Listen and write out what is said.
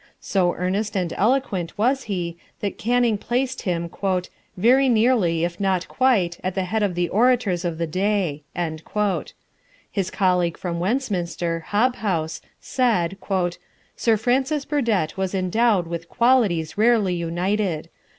So earnest and eloquent was he that Canning placed him "very nearly, if not quite, at the head of the orators of the day." His colleague from Westminster, Hobhouse, said, "Sir Francis Burdett was endowed with qualities rarely united.